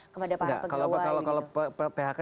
kepada para pegawai kalau phk